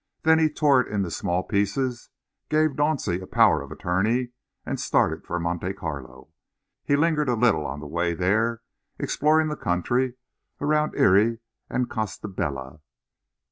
Then he tore it into small pieces, gave Dauncey a power of attorney, and started for Monte Carlo. He lingered a little on the way there, exploring the country round Hyères and Costebelle.